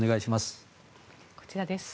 こちらです。